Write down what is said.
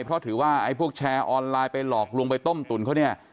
เพราะถือว่าไอ้พวกแชร์ออนไลน์ไปหลอกลวงไปต้มตุ๋นเขาเนี่ย